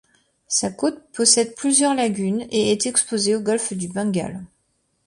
Sa côte possède plusieurs lagunes et est exposé au Golfe du Bengale.